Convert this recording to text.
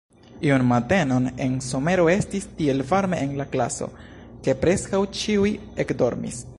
Iun matenon en somero, estis tiel varme en la klaso, ke preskaŭ ĉiuj ekdormis.